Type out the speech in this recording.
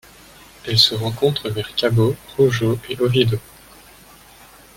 Elle se rencontre vers Cabo Rojo et Oviedo.